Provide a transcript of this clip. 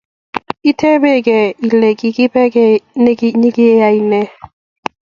Itebekei Ile kikibe nyikeyaine